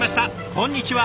こんにちは。